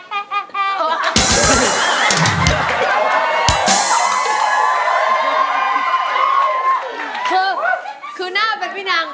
คือหน้าเป็นพี่นาง